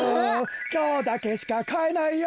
きょうだけしかかえないよ。